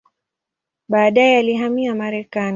Baadaye alihamia Marekani.